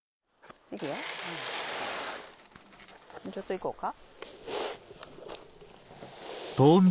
もうちょっと行こうか？